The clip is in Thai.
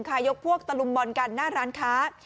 ยกพวกตะลุมบอลกันหน้าร้านค้า